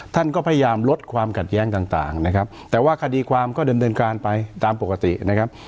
ท่านก็พยายามลดความขัดแย้งต่างนะครับแต่ว่าคดีความก็ดำเนินการไปตามปกตินะครับ